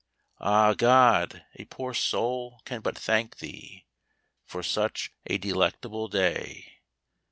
Ah, God! a poor soul can but thank Thee For such a delectable day!